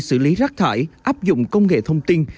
xử lý rác thải áp dụng công nghệ thông tin